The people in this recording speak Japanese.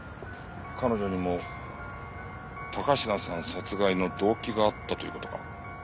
彼女にも高階さん殺害の動機があったという事か。